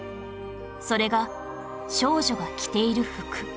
それが少女が着ている服